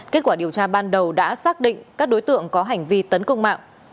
kết quả điều tra ban đầu đã xác định các đối tượng có hành vi tấn công mạng